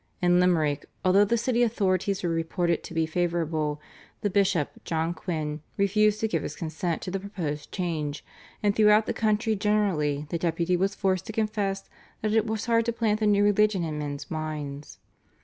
In Limerick, although the city authorities were reported to be favourable, the Bishop, John Quinn, refused to give his consent to the proposed change, and throughout the country generally the Deputy was forced to confess that it was hard to plant the new religion in men's minds.